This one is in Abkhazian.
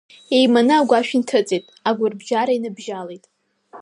Еиманы агәашә инҭыҵын, агәарабжьара иныбжьалеит.